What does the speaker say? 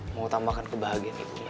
mengutamakan kebahagiaan ibunya